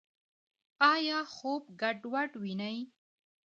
ایا خوب ګډوډ وینئ؟